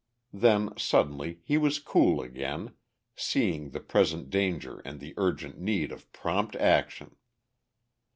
Then, suddenly, he was cool again, seeing the present danger and the urgent need of prompt action.